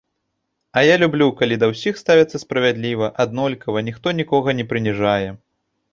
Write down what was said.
А я люблю, калі да ўсіх ставяцца справядліва, аднолькава, ніхто нікога не прыніжае.